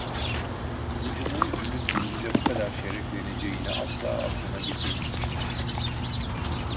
Kılıcının günün birinde bu kadar şerefleneceğini asla aklına getirmemişti.